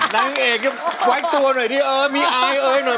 นางเอกไว้ตัวหน่อยที่เอ้อมีอ้ายเอ้ยหน่อย